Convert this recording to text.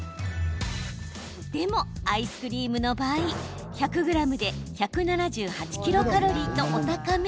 でも、アイスクリームの場合１００ｇで１７８ｋｃａｌとお高め。